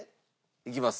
いきます。